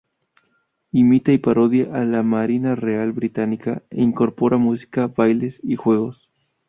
Imita y parodia a la Marina Real Británica, e incorpora música, bailes y juegos.